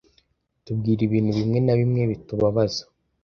Tubwire ibintu bimwe na bimwe bitubabaza